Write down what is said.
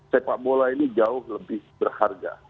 sepak bola ini jauh lebih berharga